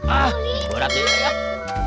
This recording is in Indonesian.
ah berarti ayah